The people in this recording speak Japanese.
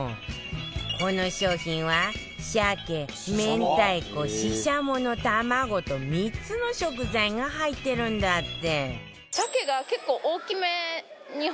この商品は鮭明太子ししゃもの卵と３つの食材が入ってるんだって